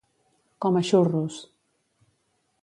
Com a xurros.